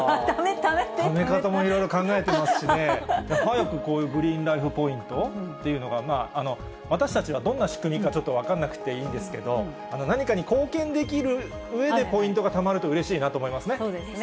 ため方もいろいろ考えてますし、早くこういうグリーンライフ・ポイント、私たちはどんな仕組みか、ちょっと分からなくていいんですけど、何かに貢献できるうえで、ポイントがたまるとうれしいなと思いますね。